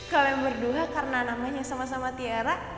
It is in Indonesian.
kalian berdua karena namanya sama sama tiara